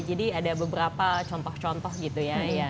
jadi ada beberapa contoh contoh gitu ya